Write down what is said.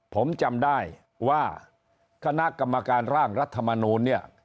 ผมจำได้ว่าคณะกรรมการร่างรัฐมนูลเนี่ย